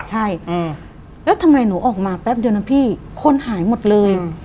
ใช่แล้วทำไมหนูออกมาแป๊บเดียวนะพี่คนหายหมดเลย